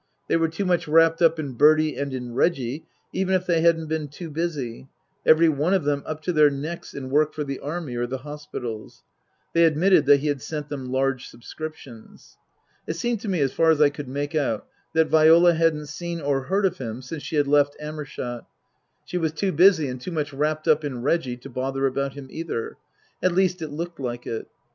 They were too much wrapped up in Bertie and in Reggie, even if they hadn't been too busy every one of them up to their necks in work for the Army or the hospitals. They admitted that he had sent them large subscriptions. It seemed to me, as far as I could make out, that Viola hadn't seen or heard of him since she had left Amershott. She was too busy and too much wrapped up in Reggie to bother about him either ; at least, it looked like it.